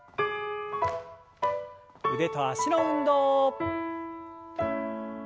腕と脚の運動。